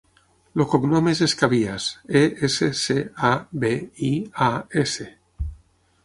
El cognom és Escabias: e, essa, ce, a, be, i, a, essa.